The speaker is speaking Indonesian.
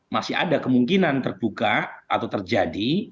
masih ada kemungkinan terbuka atau terjadi